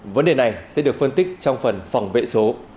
vấn đề này sẽ được phân tích trong phần phòng vệ số